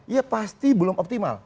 ya pasti belum optimal